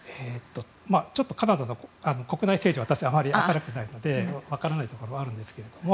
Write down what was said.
ちょっとカナダの国内政治は私はあまり明るくないので分からないところもあるんですけれども。